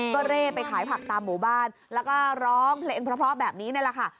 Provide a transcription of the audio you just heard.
ก็เร่ไปขายผักตามหมู่บ้านแล้วก็ร้องเพลงเพราะแบบนี้นี่แหละค่ะ